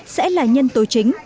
sẽ là nhân tố chính